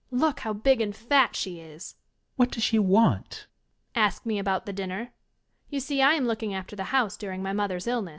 ... Look ! how big and fat she is ! Student. What does she want? Young Lady. Ask me about the dinner You see, I am looking after the house during my mother's illness.